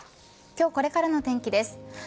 今日、これからの天気です。